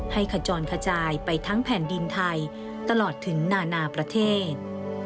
ขจรขจายไปทั้งแผ่นดินไทยตลอดถึงนานาประเทศ